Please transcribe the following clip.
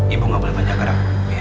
ibu gak boleh banyak gerak